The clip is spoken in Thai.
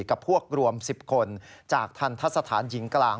กับพวกรวม๑๐คนจากทันทะสถานหญิงกลาง